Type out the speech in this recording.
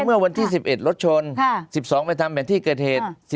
เมื่อวันที่๑๑รถชน๑๒ไปทำแผนที่เกิดเหตุ